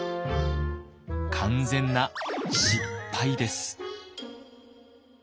完全な失敗です。